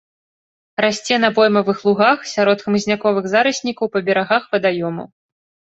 Расце на поймавых лугах, сярод хмызняковых зараснікаў, па берагах вадаёмаў.